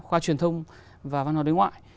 khoa truyền thông và văn hóa đối ngoại